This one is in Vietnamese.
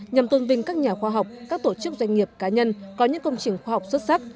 nhằm tôn vinh các nhà khoa học các tổ chức doanh nghiệp cá nhân có những công trình khoa học xuất sắc